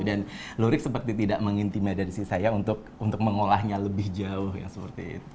dan lurik seperti tidak mengintimidasi saya untuk mengolahnya lebih jauh yang seperti itu